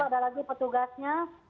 ada lagi petugasnya